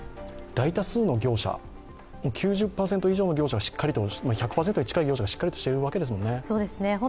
大多数の業者、９０％以上の業者が、１００％に近い業者がしっかりとしているわけですもんね。